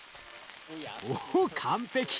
おっ完璧！